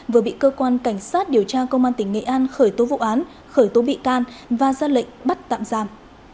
vừa bị cơ quan cảnh sát điều tra công an tỉnh nghệ an khởi tố vụ án khởi tố bị can và ra lệnh bắt tạm giam